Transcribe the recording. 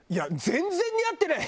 全然似合ってない。